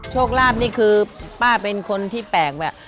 โชคลาภนี่คือป้าเป็นคนที่แปลกแบบ